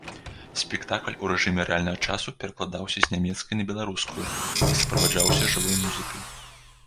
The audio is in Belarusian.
Спектакль у рэжыме рэальнага часу перакладаўся з нямецкай на беларускую і суправаджаўся жывой музыкай.